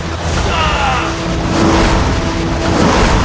aku akan menang